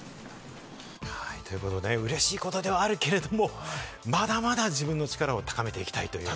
ということで、うれしいことではあるけれども、まだまだ自分の力を高めていきたいというね。